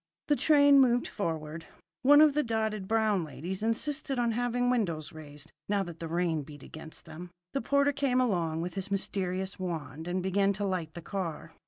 The train moved forward. One of the dotted brown ladies insisted on having windows raised, now that the rain beat against them. The porter came along with his mysterious wand and began to light the car.